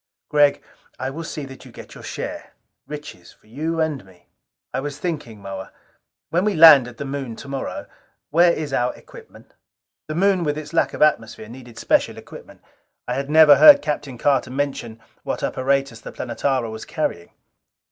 "Gregg, I will see that you get your share. Riches for you and me." "I was thinking, Moa when we land at the Moon tomorrow where is our equipment?" The Moon, with its lack of atmosphere, needed special equipment. I had never heard Captain Carter mention what apparatus the Planetara was carrying.